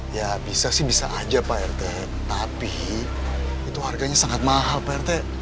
ya bisa sih bisa aja pak rt tapi itu harganya sangat mahal pak rt